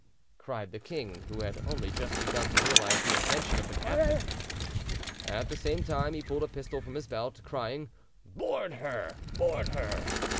cried the king, who had only just begun to realise the intention of the captain. At the same time, he pulled a pistol from his belt, crying "Board her! board her!"